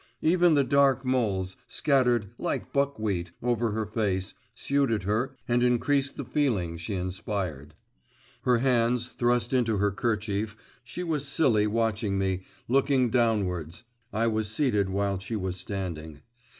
Even the dark moles, scattered 'like buck wheat' over her face, suited her and increased the feeling she inspired. Her hands thrust into her kerchief, she was slily watching me, looking downwards (I was seated, while she was standing).